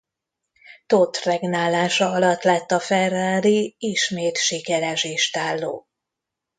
Todt regnálása alatt lett a Ferrari ismét sikeres istálló.